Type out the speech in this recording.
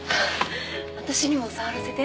私にも触らせて。